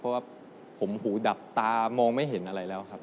เพราะว่าผมหูดับตามองไม่เห็นอะไรแล้วครับ